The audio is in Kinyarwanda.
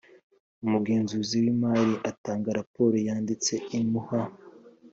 Umugenzuzi w imari atanga raporo yanditse imuha